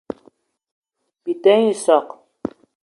Bete nyi i soag.